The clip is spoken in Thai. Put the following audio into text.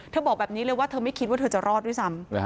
บอกแบบนี้เลยว่าเธอไม่คิดว่าเธอจะรอดด้วยซ้ำ